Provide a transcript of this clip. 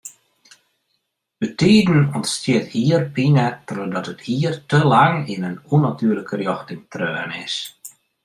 Bytiden ûntstiet hierpine trochdat it hier te lang yn in ûnnatuerlike rjochting treaun is.